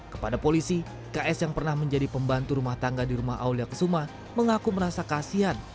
kepada polisi ks yang pernah menjadi pembantu rumah tangga di rumah aulia kesuma mengaku merasa kasian